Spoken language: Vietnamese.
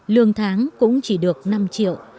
lương tháng cũng chỉ được năm triệu